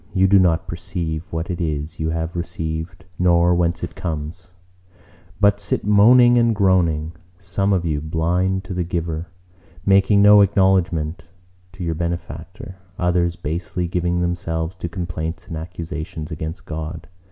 you do not perceive what it is you have received nor whence it comes, but sit moaning and groaning; some of you blind to the Giver, making no acknowledgment to your Benefactor; others basely giving themselves to complaints and accusations against God.